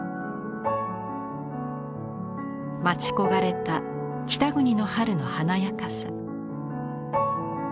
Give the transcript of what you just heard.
待ち焦がれた北国の春の華やかさ。